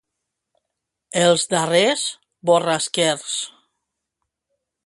Els d'Ares, borrasquers.